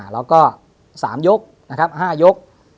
แล้วก็๓ยก๕ยก